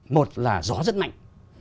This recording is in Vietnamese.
một là gió rất mạnh